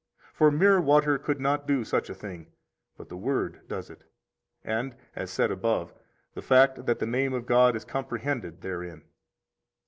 For mere water could not do such a thing, but the Word does it, and (as said above) the fact that the name of God is comprehended therein.